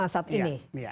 enam puluh lima saat ini